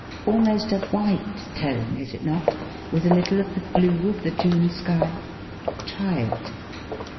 Almost a white tone, is it not ? With a little of the blue of the June sky ? Try it.